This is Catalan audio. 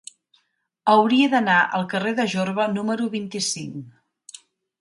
Hauria d'anar al carrer de Jorba número vint-i-cinc.